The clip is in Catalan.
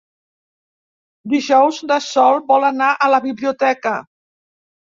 Dijous na Sol vol anar a la biblioteca.